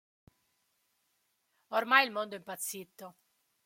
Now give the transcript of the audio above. Ormai il mondo è impazzito.